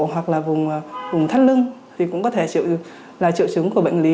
hoặc là vùng thắt lưng thì cũng có thể chịu là triệu chứng của bệnh lý